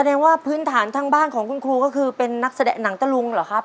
ว่าพื้นฐานทางบ้านของคุณครูก็คือเป็นนักแสดงหนังตะลุงเหรอครับ